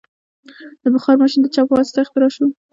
د بخار ماشین د چا په واسطه اختراع شو؟